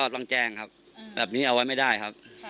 ต้องแจ้งครับแบบนี้เอาไว้ไม่ได้ครับ